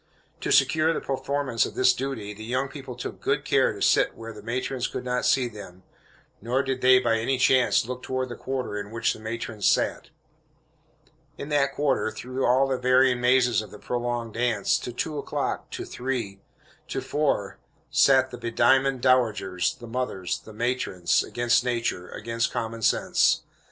To secure the performance of this duty, the young people took good care to sit where the matrons could not see them, nor did they, by any chance, look toward the quarter in which the matrons sat. In that quarter, through all the varying mazes of the prolonged dance, to two o'clock, to three, to four, sat the bediamonded dowagers, the mothers, the matrons against nature, against common sense.